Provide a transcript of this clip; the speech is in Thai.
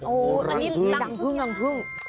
อันนี้รังพึ่งรังพึ่ง